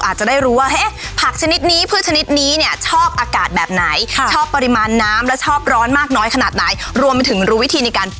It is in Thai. ใช่แล้วค่ะแล้วก็ราคาไม่แพงด้วยนะคะ